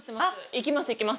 行きます行きます。